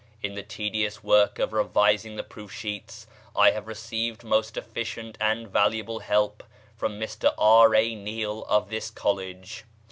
In the tedious work of revising the proof sheets I have received most efficient and valuable help from Mr R. A. Neil of this College.